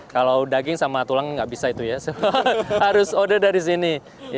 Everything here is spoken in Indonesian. kalau daging sama tulang nggak bisa itu ya harus oder dari sini